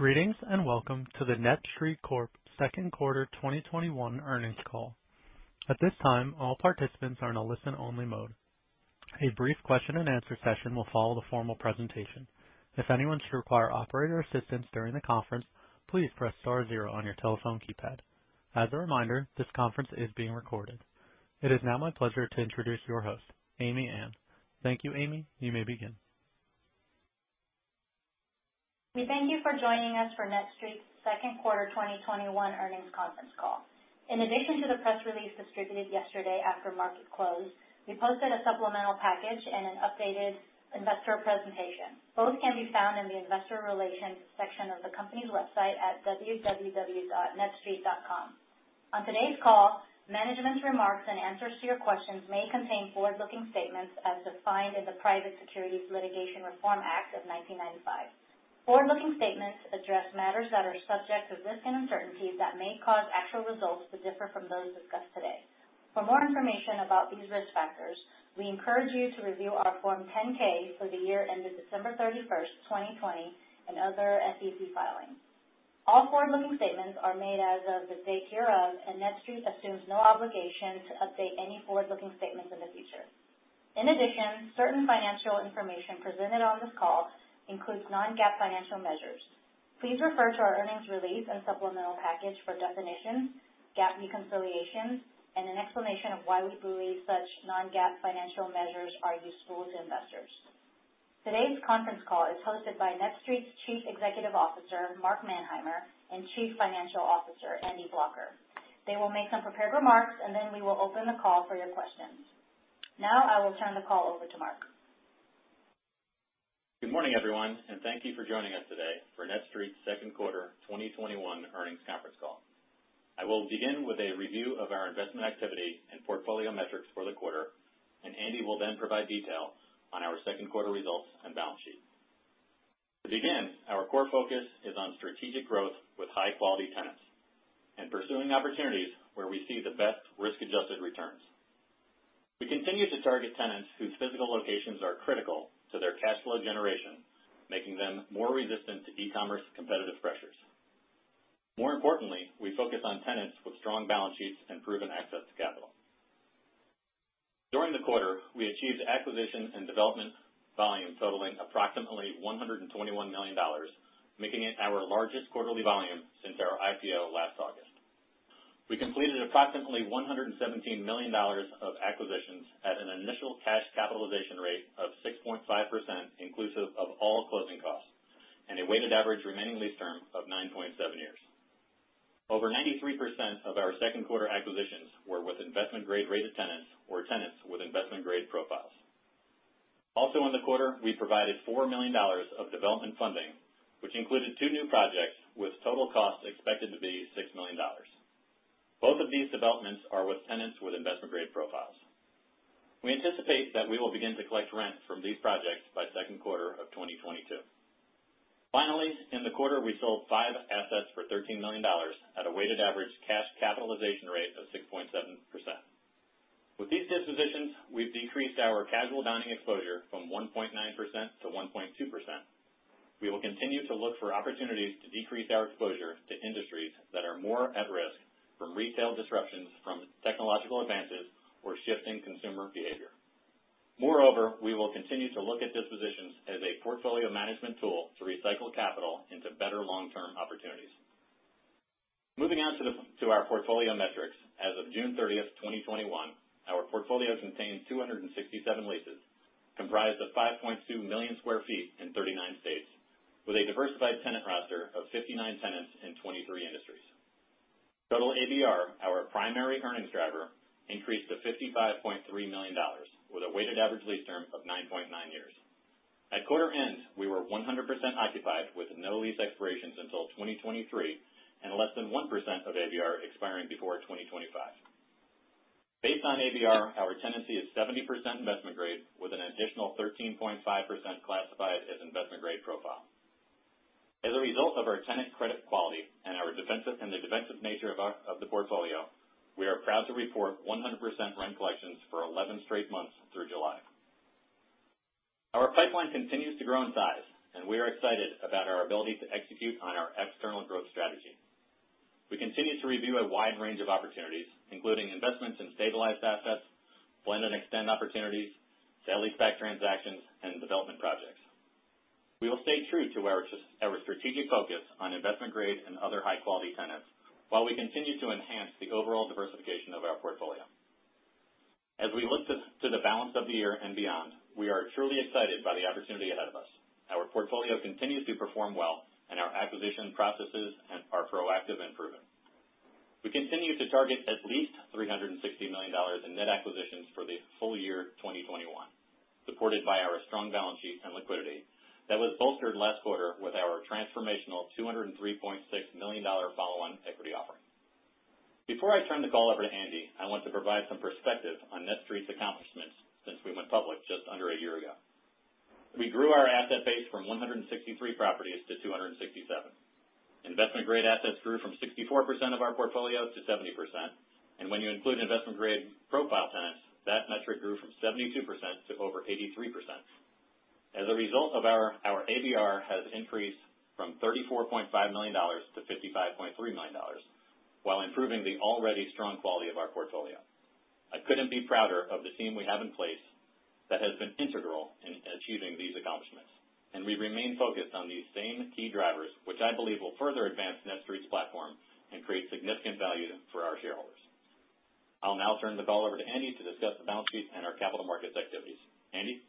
Greetings and welcome to the NETSTREIT Corp Second Quarter 2021 Earnings Call. It is now my pleasure to introduce your host, Amy An. Thank you, Amy. You may begin. We thank you for joining us for NETSTREIT's Second Quarter 2021 Earnings Conference Call. In addition to the press release distributed yesterday after market close, we posted a supplemental package and an updated investor presentation. Both can be found in the investor relations section of the company's website at www.netstreit.com. On today's call, management's remarks and answers to your questions may contain forward-looking statements as defined in the Private Securities Litigation Reform Act of 1995. Forward-looking statements address matters that are subject to risks and uncertainties that may cause actual results to differ from those discussed today. For more information about these risk factors, we encourage you to review our Form 10-K for the year ended December 31st, 2020, and other SEC filings. All forward-looking statements are made as of the date hereof, and NETSTREIT assumes no obligation to update any forward-looking statements in the future. In addition, certain financial information presented on this call includes non-GAAP financial measures. Please refer to our earnings release and supplemental package for definitions, GAAP reconciliations, and an explanation of why we believe such non-GAAP financial measures are useful to investors. Today's conference call is hosted by NETSTREIT's Chief Executive Officer, Mark Manheimer, and Chief Financial Officer, Andy Blocher. They will make some prepared remarks, and then we will open the call for your questions. Now, I will turn the call over to Mark. Good morning, everyone, and thank you for joining us today for NETSTREIT's Second Quarter 2021 Earnings Conference Call. I will begin with a review of our investment activity and portfolio metrics for the quarter, and Andy will then provide detail on our second quarter results and balance sheet. To begin, our core focus is on strategic growth with high-quality tenants and pursuing opportunities where we see the best risk-adjusted returns. We continue to target tenants whose physical locations are critical to their cash flow generation, making them more resistant to e-commerce competitive pressures. More importantly, we focus on tenants with strong balance sheets and proven access to capital. During the quarter, we achieved acquisition and development volume totaling approximately $121 million, making it our largest quarterly volume since our IPO last August. We completed approximately $117 million of acquisitions at an initial cash capitalization rate of 6.5% inclusive of all closing costs and a weighted average remaining lease term of 9.7 years. Over 93% of our second quarter acquisitions were with investment-grade rated tenants or tenants with investment-grade profiles. In the quarter, we provided $4 million of development funding, which included two new projects with total costs expected to be $6 million. Both of these developments are with tenants with investment-grade profiles. We anticipate that we will begin to collect rent from these projects by second quarter of 2022. In the quarter, we sold five assets for $13 million at a weighted average cash capitalization rate of 6.7%. With these dispositions, we've decreased our casual dining exposure from 1.9% to 1.2%. We will continue to look for opportunities to decrease our exposure to industries that are more at risk from retail disruptions from technological advances or shifting consumer behavior. We will continue to look at dispositions as a portfolio management tool to recycle capital into better long-term opportunities. Moving on to our portfolio metrics. As of June 30th, 2021, our portfolio contained 267 leases, comprised of 5.2 million sq ft in 39 states, with a diversified tenant roster of 59 tenants in 23 industries. Total ABR, our primary earnings driver, increased to $55.3 million, with a weighted average lease term of 9.9 years. At quarter end, we were 100% occupied with no lease expirations until 2023 and less than 1% of ABR expiring before 2025. Based on ABR, our tenancy is 70% investment-grade, with an additional 13.5% classified as investment-grade profile. As a result of our tenant credit quality and the defensive nature of the portfolio, we are proud to report 100% rent collections for 11 straight months through July. Our pipeline continues to grow in size, and we are excited about our ability to execute on our external growth strategy. We continue to review a wide range of opportunities, including investments in stabilized assets, blend-and-extend opportunities, sale-leaseback transactions, and development projects. We will stay true to our strategic focus on investment-grade and other high-quality tenants while we continue to enhance the overall diversification of our portfolio. As we look to the balance of the year and beyond, we are truly excited by the opportunity ahead of us. Our portfolio continues to perform well, and our acquisition processes are proactive and proven. We continue to target at least $360 million in net acquisitions for the full year 2021, supported by our strong balance sheet and liquidity that was bolstered last quarter with our transformational $203.6 million follow-on equity offering. Before I turn the call over to Andy, I want to provide some perspective on NETSTREIT's accomplishments since we went public just under a year ago. We grew our asset base from 163 properties to 267. Investment-grade assets grew from 64% of our portfolio to 70%. When you include investment-grade profile tenants, that metric grew from 72% to over 83%. As a result, our ABR has increased from $34.5 million to $55.3 million while improving the already strong quality of our portfolio. I couldn't be prouder of the team we have in place that has been integral in achieving these accomplishments, and we remain focused on these same key drivers, which I believe will further advance NETSTREIT's platform and create significant value for our shareholders. I'll now turn the call over to Andy to discuss the balance sheet and our capital markets activities. Andy?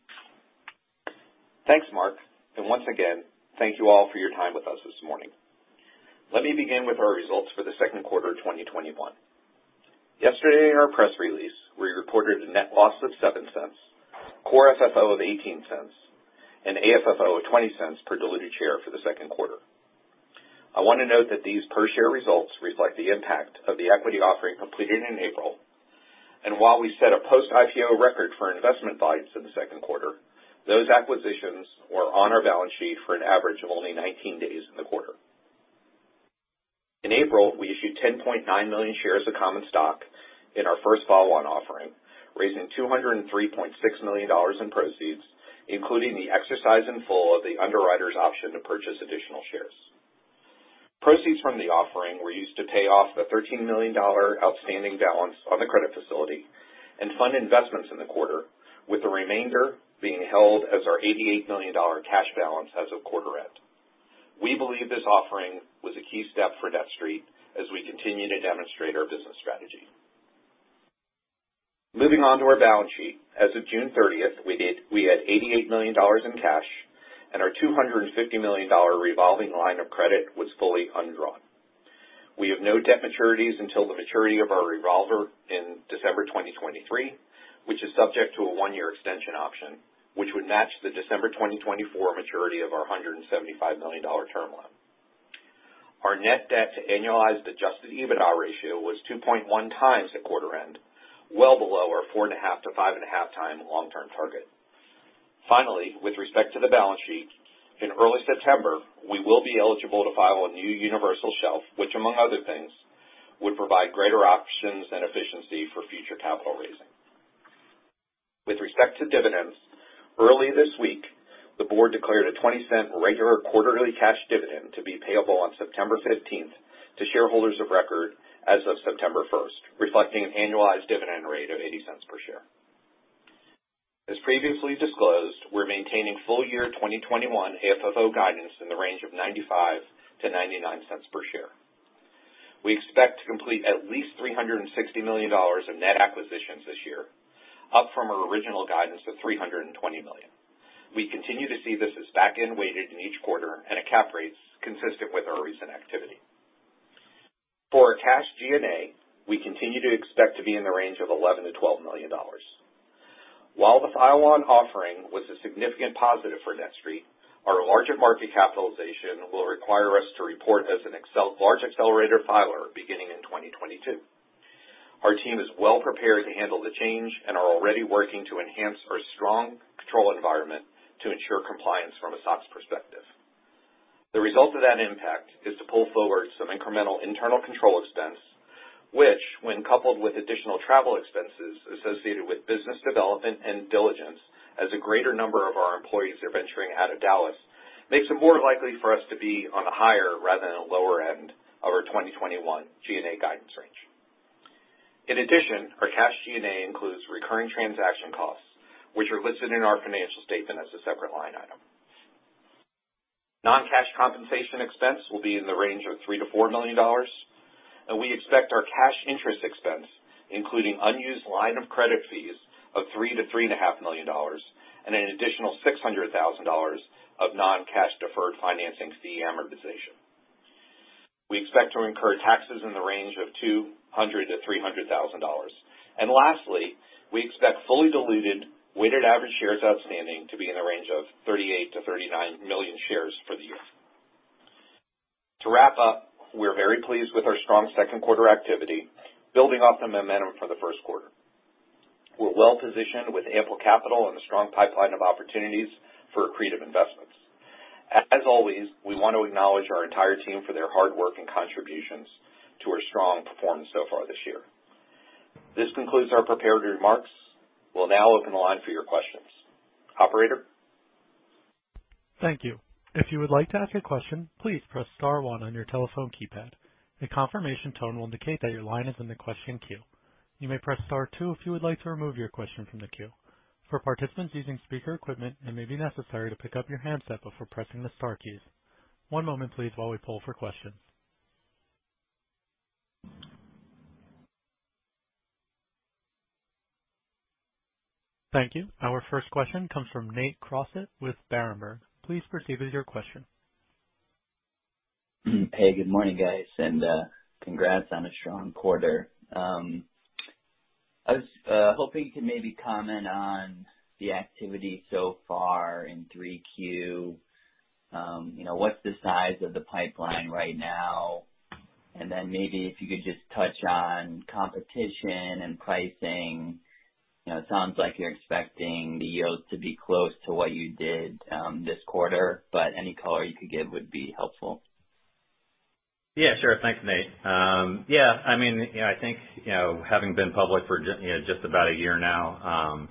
Thanks, Mark, and once again, thank you all for your time with us this morning. Let me begin with our results for the second quarter of 2021. Yesterday in our press release, we reported a net loss of $0.07, core FFO of $0.18, and AFFO of $0.20 per diluted share for the second quarter. I want to note that these per-share results reflect the impact of the equity offering completed in April, and while we set a post-IPO record for investment volumes in the second quarter, those acquisitions were on our balance sheet for an average of only 19 days in the quarter. In April, we issued 10.9 million shares of common stock in our first follow-on offering, raising $203.6 million in proceeds, including the exercise in full of the underwriter's option to purchase additional shares. Proceeds from the offering were used to pay off the $13 million outstanding balance on the credit facility and fund investments in the quarter, with the remainder being held as our $88 million cash balance as of quarter end. We believe this offering was a key step for NETSTREIT as we continue to demonstrate our business strategy. Moving on to our balance sheet, as of June 30th, we had $88 million in cash, and our $250 million revolving line of credit was fully undrawn. We have no debt maturities until the maturity of our revolver in December 2023, which is subject to a one-year extension option, which would match the December 2024 maturity of our $175 million term loan. Our net debt to annualized adjusted EBITDA ratio was 2.1x at quarter end, well below our 4.5x-5.5x long-term target. Finally, with respect to the balance sheet, in early September, we will be eligible to file a new universal shelf, which among other things, would provide greater options and efficiency for future capital raising. With respect to dividends, early this week the board declared a $0.20 regular quarterly cash dividend to be payable on September 15th to shareholders of record as of September 1st, reflecting an annualized dividend rate of $0.80 per share. As previously disclosed, we're maintaining full-year 2021 AFFO guidance in the range of $0.95-$0.99 per share. We expect to complete at least $360 million of net acquisitions this year, up from our original guidance of $320 million. We continue to see this as back-end weighted in each quarter and at cap rates consistent with our recent activity. For our cash G&A, we continue to expect to be in the range of $11 million-$12 million. While the follow-on offering was a significant positive for NETSTREIT, our larger market capitalization will require us to report as a large accelerated filer beginning in 2022. Our team is well prepared to handle the change and are already working to enhance our strong control environment to ensure compliance from a SOX perspective. The result of that impact is to pull forward some incremental internal control expense, which, when coupled with additional travel expenses associated with business development and diligence as a greater number of our employees are venturing out of Dallas, makes it more likely for us to be on the higher rather than a lower end of our 2021 G&A guidance range. In addition, our cash G&A includes recurring transaction costs, which are listed in our financial statement as a separate line item. Non-cash compensation expense will be in the range of $3 million-$4 million. We expect our cash interest expense, including unused line of credit fees, of $3 million-$3.5 million and an additional $600,000 of non-cash deferred financing fee amortization. We expect to incur taxes in the range of $200,000-$300,000. Lastly, we expect fully diluted weighted average shares outstanding to be in the range of 38 million-39 million shares for the year. To wrap up, we're very pleased with our strong second quarter activity, building off the momentum from the first quarter. We're well-positioned with ample capital and a strong pipeline of opportunities for accretive investments. As always, we want to acknowledge our entire team for their hard work and contributions to our strong performance so far this year. This concludes our prepared remarks. We'll now open the line for your questions. Operator? Our first question comes from Nate Crossett with Berenberg. Please proceed with your question. Hey, good morning, guys, and congrats on a strong quarter. I was hoping to maybe comment on the activity so far in 3Q. What's the size of the pipeline right now? Then maybe if you could just touch on competition and pricing. It sounds like you're expecting the yields to be close to what you did this quarter, but any color you could give would be helpful. Yeah, sure. Thanks, Nate. I think having been public for just about one year now,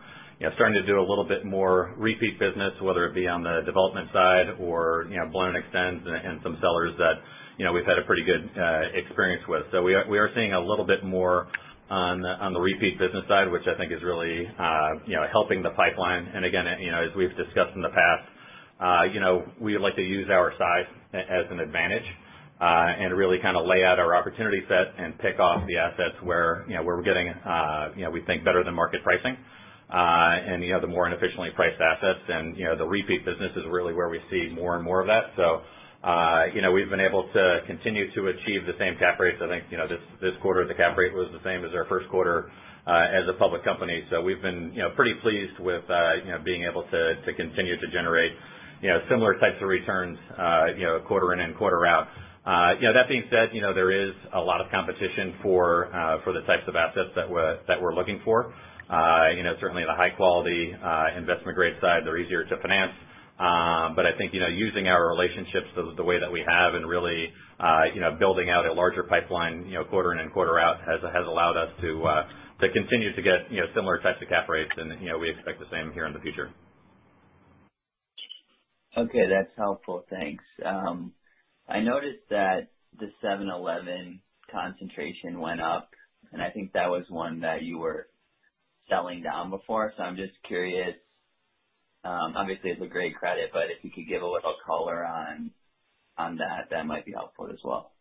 starting to do a little bit more repeat business, whether it be on the development side or blend-and-extend and some sellers that we've had a pretty good experience with. We are seeing a little bit more on the repeat business side, which I think is really helping the pipeline. Again, as we've discussed in the past we like to use our size as an advantage, and really lay out our opportunity set and tick off the assets where we're getting we think better than market pricing. The more inefficiently priced assets and the repeat business is really where we see more and more of that. We've been able to continue to achieve the same cap rates. I think, this quarter, the cap rate was the same as our first quarter, as a public company. We've been pretty pleased with being able to continue to generate similar types of returns quarter in and quarter out. That being said, there is a lot of competition for the types of assets that we're looking for. Certainly, the high-quality, investment-grade side, they're easier to finance. I think, using our relationships the way that we have and really building out a larger pipeline quarter in and quarter out has allowed us to continue to get similar types of cap rates, and we expect the same here in the future. Okay. That's helpful. Thanks. I noticed that the 7-Eleven concentration went up, and I think that was one that you were selling down before. I'm just curious. Obviously, it's a great credit, but if you could give a little color on that might be helpful as well.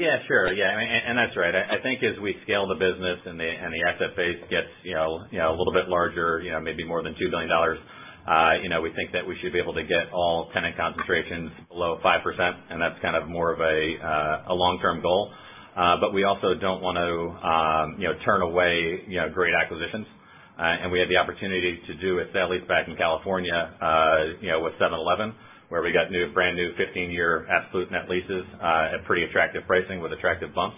Yeah, sure. That's right. I think as we scale the business and the asset base gets a little bit larger, maybe more than $2 billion we think that we should be able to get all tenant concentrations below 5%, and that's kind of more of a long-term goal. We also don't want to turn away great acquisitions. We had the opportunity to do a sale-leaseback in California with 7-Eleven, where we got brand-new 15-year absolute net leases, at pretty attractive pricing with attractive bumps.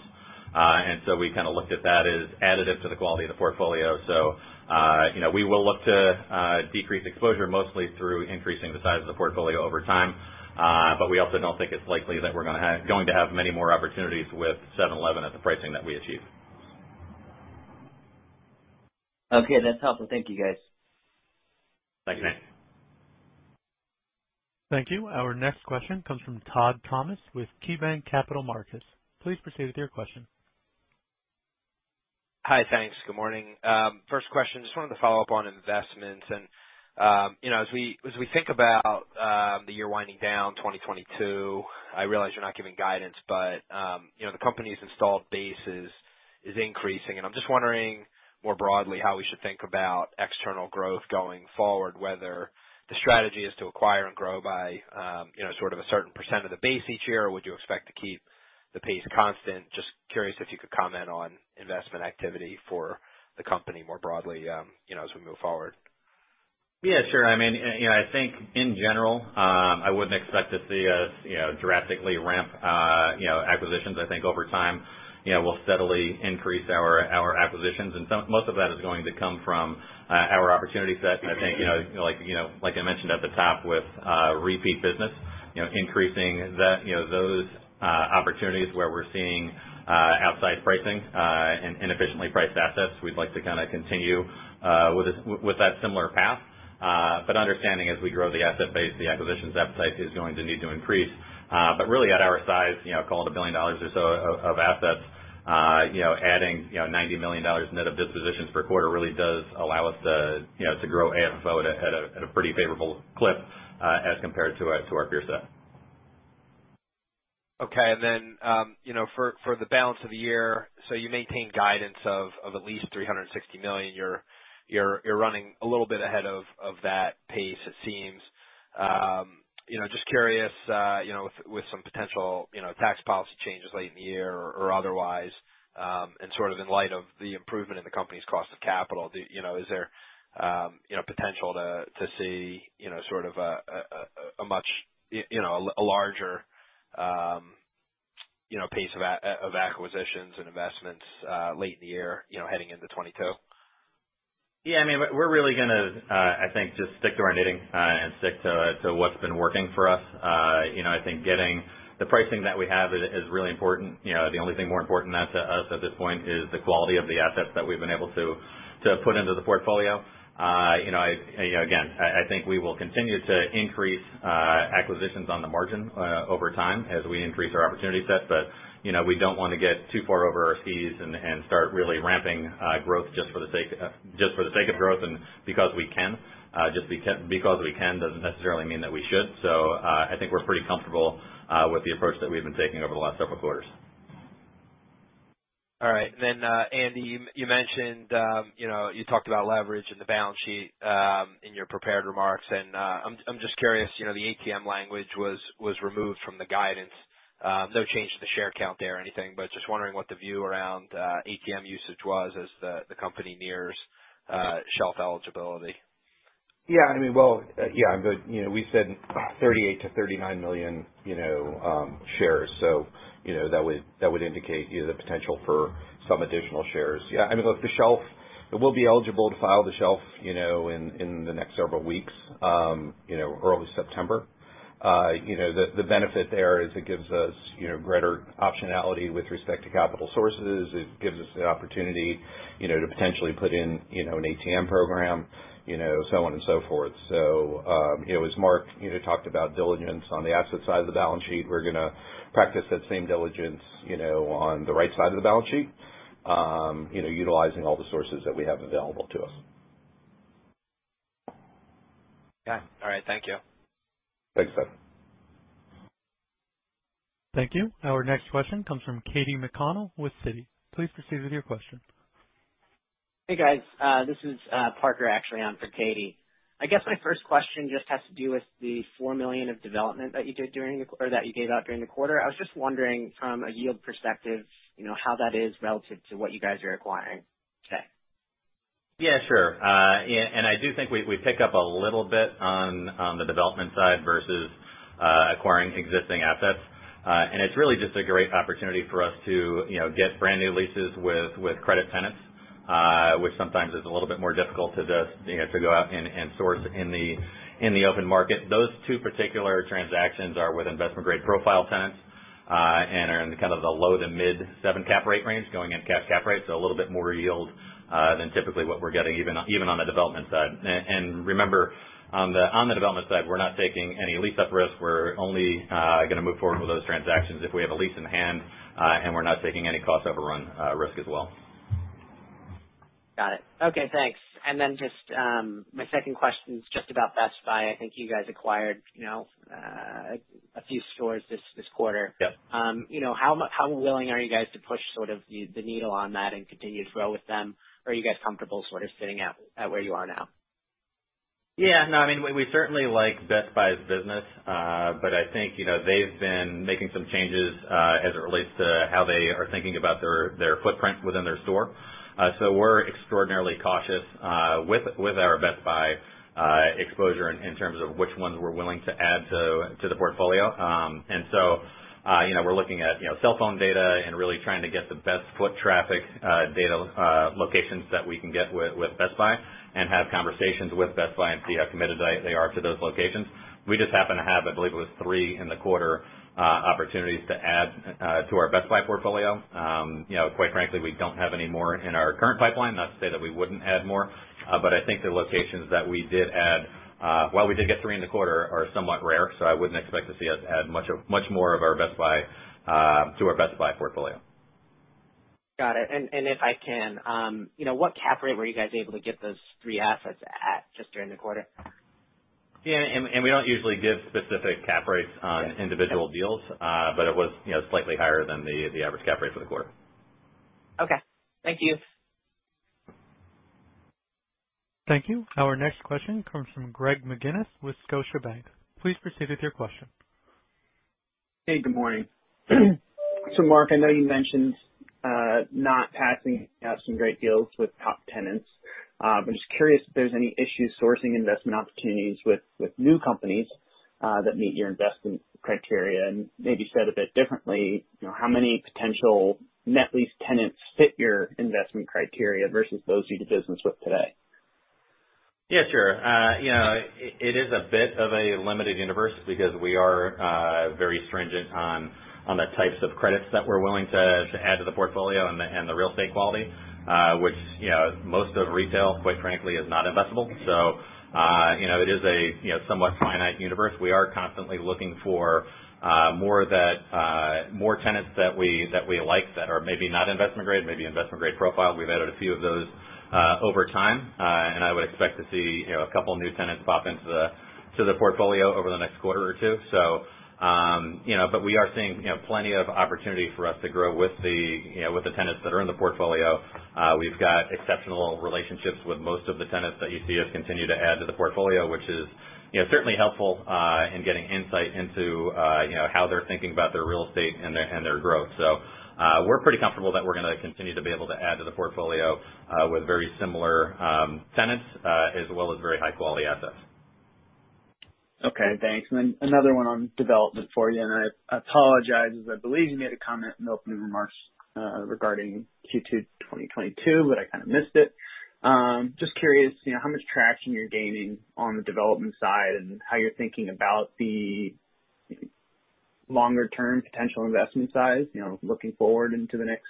We kind of looked at that as additive to the quality of the portfolio. We will look to decrease exposure mostly through increasing the size of the portfolio over time. We also don't think it's likely that we're going to have many more opportunities with 7-Eleven at the pricing that we achieve. Okay. That's helpful. Thank you, guys. Thank you, Nate. Thank you. Our next question comes from Todd Thomas with KeyBanc Capital Markets. Please proceed with your question. Hi, thanks. Good morning. First question, just wanted to follow up on investments and as we think about the year winding down 2022, I realize you're not giving guidance, but the company's installed base is increasing, and I'm just wondering more broadly how we should think about external growth going forward, whether the strategy is to acquire and grow by sort of a certain percent of the base each year, or would you expect to keep the pace constant? Just curious if you could comment on investment activity for the company more broadly as we move forward. Yeah, sure. I think in general, I wouldn't expect to see us drastically ramp acquisitions. I think over time we'll steadily increase our acquisitions and most of that is going to come from our opportunity set. I think, like I mentioned at the top with repeat business increasing those opportunities where we're seeing outsized pricing and inefficiently priced assets, we'd like to kind of continue with that similar path. Understanding as we grow the asset base, the acquisitions appetite is going to need to increase. Really at our size, call it $1 billion or so of assets adding $90 million net of dispositions per quarter really does allow us to grow AFFO at a pretty favorable clip, as compared to our peer set. For the balance of the year, you maintain guidance of at least $360 million. You're running a little bit ahead of that pace, it seems. Just curious with some potential tax policy changes late in the year or otherwise, and sort of in light of the improvement in the company's cost of capital, is there potential to see sort of a larger pace of acquisitions and investments late in the year heading into 2022? We're really going to, I think, just stick to our knitting and stick to what's been working for us. I think getting the pricing that we have is really important. The only thing more important than that to us at this point is the quality of the assets that we've been able to put into the portfolio. I think we will continue to increase acquisitions on the margin over time as we increase our opportunity set. We don't want to get too far over our skis and start really ramping growth just for the sake of growth and because we can. Just because we can doesn't necessarily mean that we should. I think we're pretty comfortable with the approach that we've been taking over the last several quarters. All right. Andy, you talked about leverage and the balance sheet in your prepared remarks. I'm just curious, the ATM language was removed from the guidance. No change to the share count there or anything. Just wondering what the view around ATM usage was as the company nears shelf eligibility. Yeah. We said 38 million-39 million shares. That would indicate the potential for some additional shares. Yeah, and we'll be eligible to file the shelf in the next several weeks, early September. The benefit there is it gives us greater optionality with respect to capital sources. It gives us the opportunity to potentially put in an ATM program, so on and so forth. As Mark talked about diligence on the asset side of the balance sheet, we're going to practice that same diligence on the right side of the balance sheet, utilizing all the sources that we have available to us. All right. Thank you. Thanks, Todd. Thank you. Our next question comes from Katie McConnell with Citi. Please proceed with your question. Hey, guys. This is Parker actually on for Katie. I guess my first question just has to do with the $4 million of development that you gave out during the quarter. I was just wondering from a yield perspective, how that is relative to what you guys are acquiring today. Yeah, sure. I do think we pick up a little bit on the development side versus acquiring existing assets. It's really just a great opportunity for us to get brand-new leases with credit tenants, which sometimes is a little bit more difficult to just go out and source in the open market. Those two particular transactions are with investment-grade profile tenants, and are in kind of the low to mid-seven cap rate range, going into cash cap rate. A little bit more yield than typically what we're getting even on the development side. Remember, on the development side, we're not taking any lease-up risk. We're only going to move forward with those transactions if we have a lease in hand, and we're not taking any cost-overrun risk as well. Got it. Okay, thanks. Just my second question is just about Best Buy. I think you guys acquired a few stores this quarter. Yep. How willing are you guys to push sort of the needle on that and continue to grow with them? Are you guys comfortable sort of sitting at where you are now? Yeah. No, we certainly like Best Buy's business. I think they've been making some changes, as it relates to how they are thinking about their footprint within their store. We're extraordinarily cautious with our Best Buy exposure in terms of which ones we're willing to add to the portfolio. We're looking at cellphone data and really trying to get the best foot traffic data locations that we can get with Best Buy and have conversations with Best Buy and see how committed they are to those locations. We just happen to have, I believe it was three in the quarter, opportunities to add to our Best Buy portfolio. Quite frankly, we don't have any more in our current pipeline. Not to say that we wouldn't add more. I think the locations that we did add, while we did get three in the quarter, are somewhat rare, so I wouldn't expect to see us add much more to our Best Buy portfolio. Got it. If I can, what cap rate were you guys able to get those three assets at just during the quarter? Yeah. We don't usually give specific cap rates on individual deals. It was slightly higher than the average cap rate for the quarter. Okay. Thank you. Thank you. Our next question comes from Greg McGinniss with Scotiabank. Please proceed with your question. Hey, good morning. Mark, I know you mentioned not passing up some great deals with top tenants. I'm just curious if there's any issue sourcing investment opportunities with new companies that meet your investment criteria, and maybe said a bit differently, how many potential net lease tenants fit your investment criteria versus those you do business with today? Yeah, sure. It is a bit of a limited universe because we are very stringent on the types of credits that we're willing to add to the portfolio and the real estate quality. Which most of retail, quite frankly, is not investable. It is a somewhat finite universe. We are constantly looking for more tenants that we like that are maybe not investment grade, maybe investment-grade profile. We've added a few of those over time. I would expect to see a couple of new tenants pop into the portfolio over the next quarter or two. We are seeing plenty of opportunity for us to grow with the tenants that are in the portfolio. We've got exceptional relationships with most of the tenants that you see us continue to add to the portfolio, which is certainly helpful in getting insight into how they're thinking about their real estate and their growth. We're pretty comfortable that we're going to continue to be able to add to the portfolio with very similar tenants, as well as very high-quality assets. Okay, thanks. Another one on development for you. I apologize as I believe you made a comment in the opening remarks regarding Q2 2022, but I kind of missed it. Just curious, how much traction you're gaining on the development side and how you're thinking about the longer-term potential investment size, looking forward into the next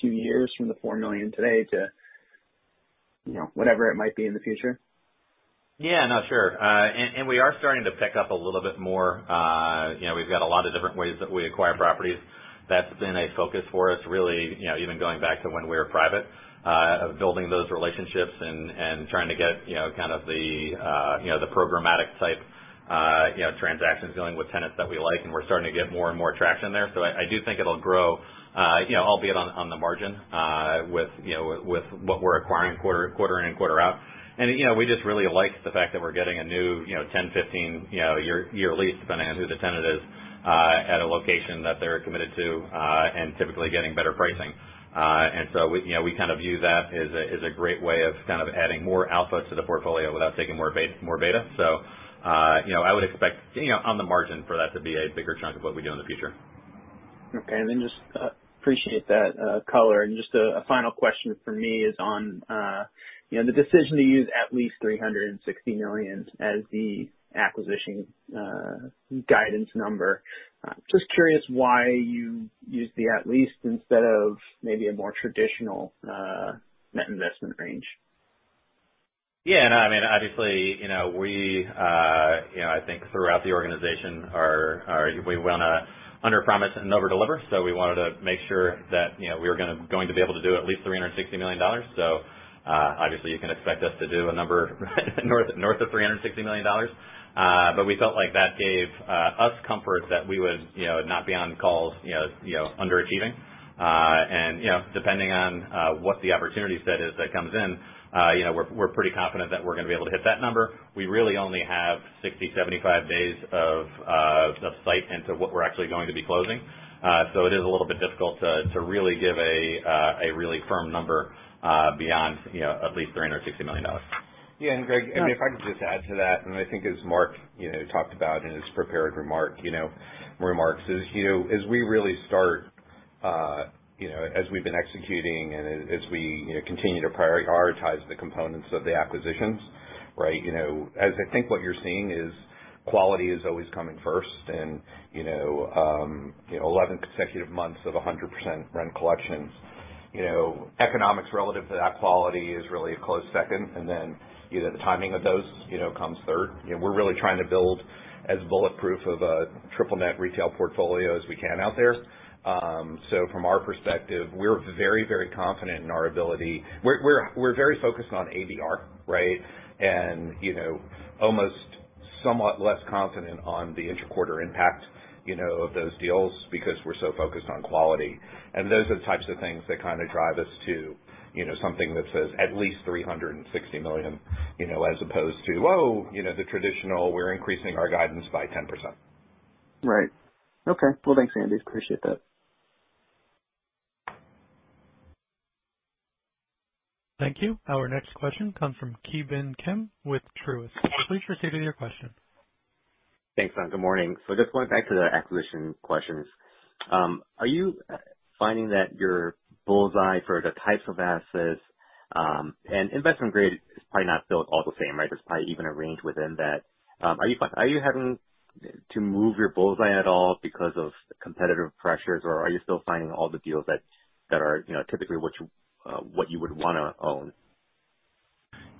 few years from the $4 million today to whatever it might be in the future. Yeah. No, sure. We are starting to pick up a little bit more. We've got a lot of different ways that we acquire properties. That's been a focus for us, really even going back to when we were private, of building those relationships and trying to get kind of the programmatic type transactions dealing with tenants that we like, and we're starting to get more and more traction there. I do think it'll grow albeit on the margin, with what we're acquiring quarter in and quarter out. We just really like the fact that we're getting a new 10, 15 year lease, depending on who the tenant is, at a location that they're committed to, and typically getting better pricing. We kind of view that as a great way of kind of adding more output to the portfolio without taking more beta. I would expect on the margin for that to be a bigger chunk of what we do in the future. Okay. Just appreciate that color. Just a final question from me is on the decision to use at least $360 million as the acquisition guidance number. Just curious why you used the at least instead of maybe a more traditional net investment range. No, obviously, I think throughout the organization we want to underpromise and overdeliver, we wanted to make sure that we were going to be able to do at least $360 million. Obviously you can expect us to do a number north of $360 million. We felt like that gave us comfort that we would not be on calls underachieving. Depending on what the opportunity set is that comes in, we're pretty confident that we're going to be able to hit that number. We really only have 60, 75 days of the sight into what we're actually going to be closing. It is a little bit difficult to really give a really firm number beyond at least $360 million. Greg, if I could just add to that, I think as Mark talked about in his prepared remarks, as we've been executing and as we continue to prioritize the components of the acquisitions, right. I think what you're seeing is quality is always coming first and 11 consecutive months of 100% rent collections. Economics relative to that quality is really a close second, and then the timing of those comes third. We're really trying to build as bulletproof of a triple net retail portfolio as we can out there. From our perspective, we're very confident in our ability. We're very focused on ABR, right. Almost somewhat less confident on the inter-quarter impact of those deals because we're so focused on quality. Those are the types of things that kind of drive us to something that says at least $360 million, as opposed to, oh, the traditional, we're increasing our guidance by 10%. Right. Okay. Well, thanks, Andy. Appreciate that. Thank you. Our next question comes from Ki Bin Kim with Truist. Please proceed with your question. Thanks. Good morning. Just going back to the acquisition questions. Are you finding that your bullseye for the types of assets and investment-grade is probably not built all the same, right? There's probably even a range within that. Are you having to move your bullseye at all because of competitive pressures, or are you still finding all the deals that are typically what you would want to own?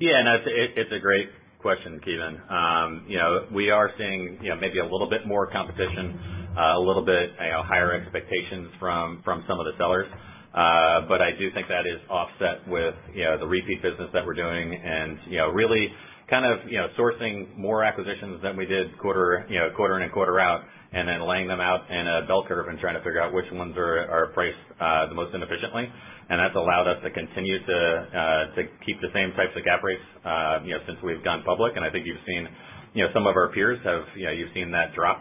No, it's a great question, Ki Bin. We are seeing maybe a little bit more competition, a little bit higher expectations from some of the sellers. I do think that is offset with the repeat business that we're doing and really kind of sourcing more acquisitions than we did quarter in and quarter out, and then laying them out in a bell curve and trying to figure out which ones are priced the most inefficiently. That's allowed us to continue to keep the same types of cap rates since we've gone public, and I think you've seen some of our peers have. You've seen that drop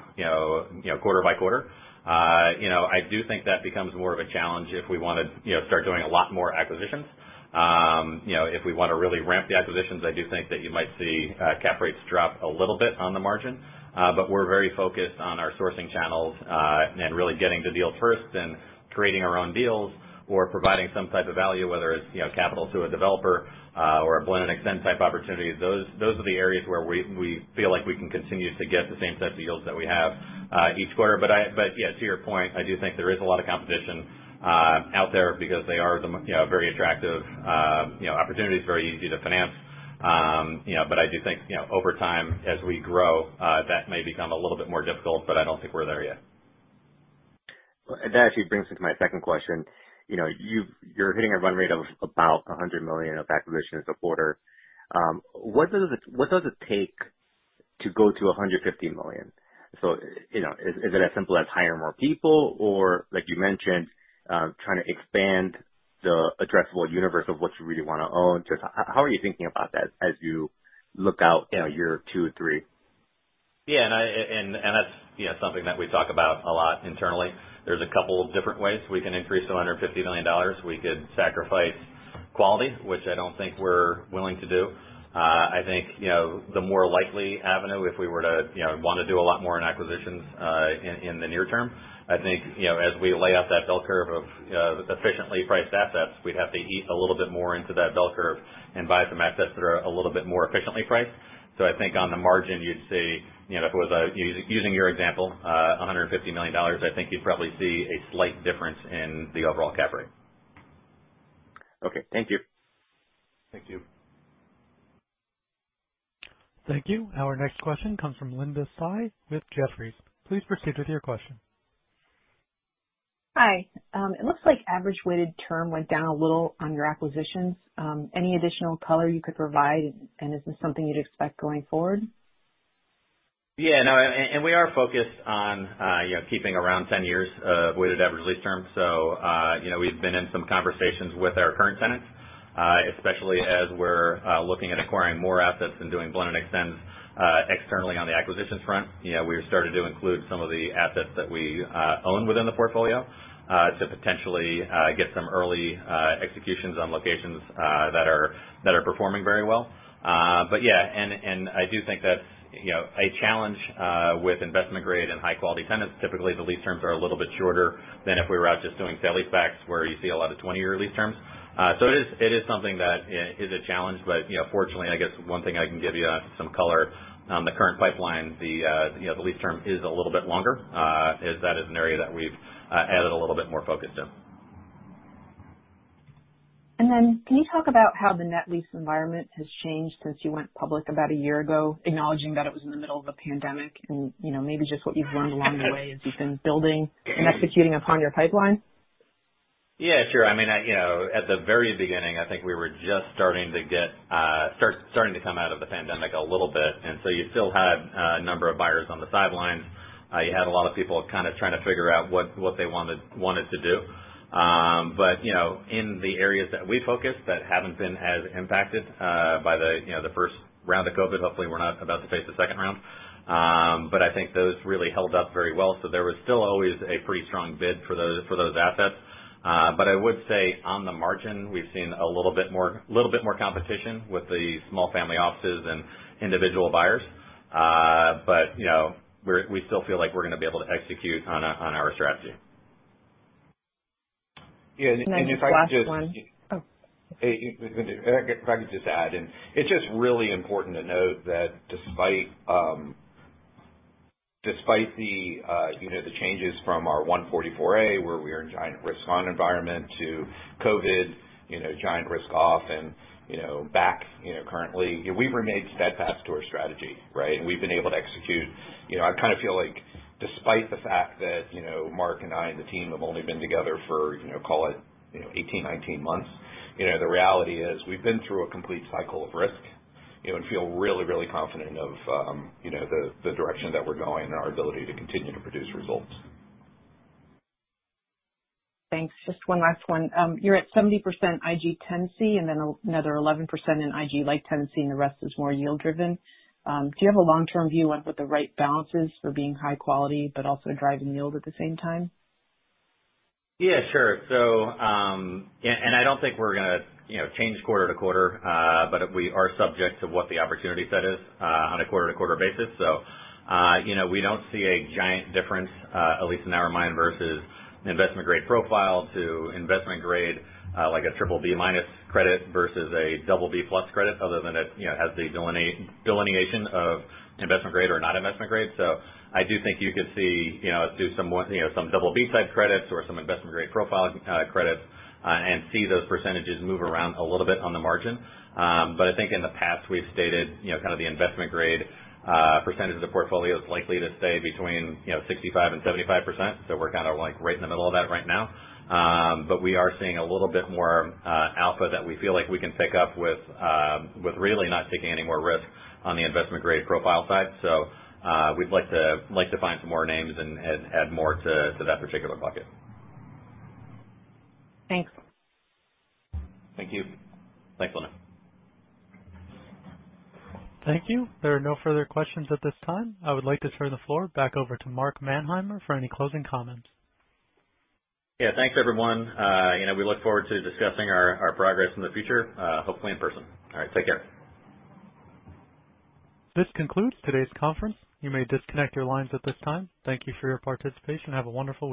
quarter by quarter. I do think that becomes more of a challenge if we want to start doing a lot more acquisitions. If we want to really ramp the acquisitions, I do think that you might see cap rates drop a little bit on the margin. We're very focused on our sourcing channels, and really getting the deals first and creating our own deals or providing some type of value, whether it's capital to a developer or a blend-and-extend type opportunity. Those are the areas where we feel like we can continue to get the same sets of yields that we have each quarter. Yeah, to your point, I do think there is a lot of competition out there because they are very attractive opportunities, very easy to finance. I do think, over time, as we grow, that may become a little bit more difficult, but I don't think we're there yet. That actually brings me to my second question. You're hitting a run rate of about $100 million of acquisitions a quarter. What does it take to go to $150 million? Is it as simple as hiring more people or, like you mentioned, trying to expand the addressable universe of what you really want to own? Just how are you thinking about that as you look out year two, three? Yeah. That's something that we talk about a lot internally. There's a couple different ways we can increase to $150 million. We could sacrifice quality, which I don't think we're willing to do. I think, the more likely avenue if we were to want to do a lot more in acquisitions, in the near term, I think, as we lay out that bell curve of efficiently priced assets, we'd have to eat a little bit more into that bell curve and buy some assets that are a little bit more efficiently priced. I think on the margin, you'd see, if it was using your example, $150 million, I think you'd probably see a slight difference in the overall cap rate. Okay. Thank you. Thank you. Thank you. Our next question comes from Linda Tsai with Jefferies. Please proceed with your question. Hi. It looks like average weighted term went down a little on your acquisitions. Any additional color you could provide? Is this something you'd expect going forward? No, we are focused on keeping around 10 years of weighted average lease terms. We've been in some conversations with our current tenants, especially as we're looking at acquiring more assets and doing blend-and-extends externally on the acquisitions front. We started to include some of the assets that we own within the portfolio to potentially get some early executions on locations that are performing very well. Yeah, I do think that a challenge with investment-grade and high-quality tenants, typically the lease terms are a little bit shorter than if we were out just doing sale-leasebacks, where you see a lot of 20-year lease terms. It is something that is a challenge, but fortunately, I guess one thing I can give you some color on the current pipeline, the lease term is a little bit longer as that is an area that we've added a little bit more focus in. Can you talk about how the net lease environment has changed since you went public about a year ago, acknowledging that it was in the middle of a pandemic, and maybe just what you've learned along the way as you've been building and executing upon your pipeline? Yeah, sure. At the very beginning, I think we were just starting to come out of the pandemic a little bit. You still had a number of buyers on the sidelines. You had a lot of people kind of trying to figure out what they wanted to do. In the areas that we focus that haven't been as impacted by the first round of COVID, hopefully we're not about to face the second round. I would say on the margin, we've seen a little bit more competition with the small family offices and individual buyers. We still feel like we're going to be able to execute on our strategy. Yeah. Then just last one. Oh. If I could just add in. It's just really important to note that despite the changes from our 144A, where we are in a giant risk-on environment to COVID, giant risk off and back currently, we've remained steadfast to our strategy, right? We've been able to execute. I kind of feel like despite the fact that Mark and I and the team have only been together for call it 18, 19 months, the reality is we've been through a complete cycle of risk, and feel really, really confident of the direction that we're going and our ability to continue to produce results. Thanks. Just one last one. You're at 70% IG tenancy, and then another 11% in IG-like tenancy, and the rest is more yield-driven. Do you have a long-term view on what the right balance is for being high quality but also driving yield at the same time? Yeah, sure. I don't think we're gonna change quarter-to-quarter, but we are subject to what the opportunity set is on a quarter-to-quarter basis. We don't see a giant difference, at least in our mind, versus an investment-grade profile to investment-grade, like a BBB- credit versus a BB+ credit other than it has the delineation of investment-grade or not investment-grade. I do think you could see us do some BB-type credits or some investment-grade profile credits and see those percentages move around a little bit on the margin. I think in the past, we've stated the investment-grade percentage of the portfolio is likely to stay between 65%-75%. We're kind of right in the middle of that right now. We are seeing a little bit more alpha that we feel like we can pick up with really not taking any more risk on the investment-grade profile side. We'd like to find some more names and add more to that particular bucket. Thanks. Thank you. Thanks, Linda. Thank you. There are no further questions at this time. I would like to turn the floor back over to Mark Manheimer for any closing comments. Yeah. Thanks, everyone. We look forward to discussing our progress in the future, hopefully in person. All right. Take care. This concludes today's conference. You may disconnect your lines at this time. Thank you for your participation. Have a wonderful week.